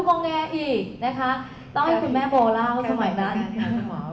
ต้องให้คุณแม่โบราวสมัยนั้น